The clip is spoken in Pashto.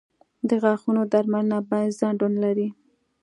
• د غاښونو درملنه باید ځنډ ونه لري.